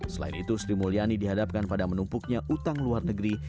selain itu sri mulyani dihadapkan pada menumpuknya utang luar negeri